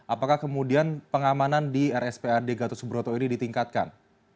apakah kemudian pengamanan di rspad gatot subroto ini ditingkatkan